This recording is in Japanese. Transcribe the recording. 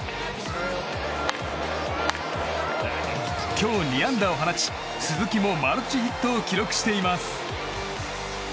今日２安打を放ち、鈴木もマルチヒットを記録しています。